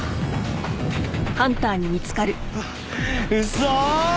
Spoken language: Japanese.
嘘？